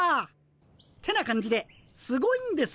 ってな感じですごいんですよ